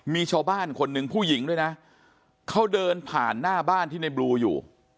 มีชาวบ้านคนหนึ่งผู้หญิงด้วยนะเขาเดินผ่านหน้าบ้านที่ในบลูอยู่